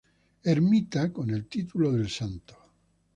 Ermita con el título del Santo".